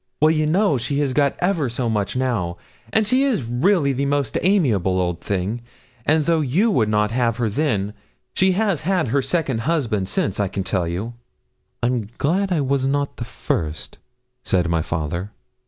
Well, you know, she has got ever so much now, and she is really a most amiable old thing, and though you would not have her then, she has had her second husband since, I can tell you.' 'I'm glad I was not the first,' said my father.